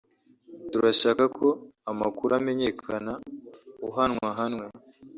turashaka ko amakuru amenyekana uhanwa ahanwe…